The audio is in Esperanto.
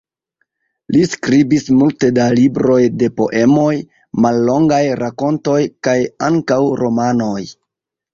Li skribis multe da libroj de poemoj, mallongaj rakontoj, kaj ankaŭ romanoj.